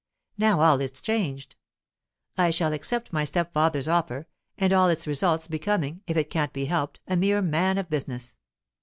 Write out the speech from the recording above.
Now all is changed. I shall accept my step father's offer, and all its results becoming, if it can't be helped, a mere man of business.